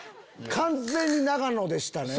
完全に永野でしたね。